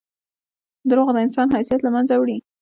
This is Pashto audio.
• دروغ د انسان حیثیت له منځه وړي.